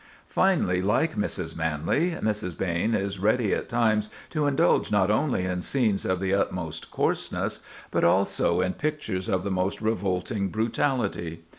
Finally, like Mrs. Manley, Mrs. Behn is ready at times to indulge not only in scenes of the utmost coarseness, but also in pictures of the most revolting brutality.